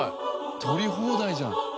捕り放題じゃん。